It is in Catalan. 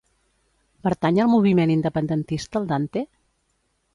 Pertany al moviment independentista el Dante?